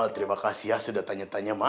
terima kasih ya sudah tanya tanya mak